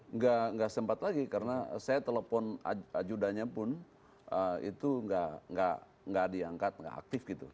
tidak sempat lagi karena saya telepon ajudanya pun itu tidak diangkat tidak aktif